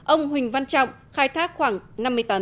ông huỳnh văn trọng khai thác khoảng năm mươi tấn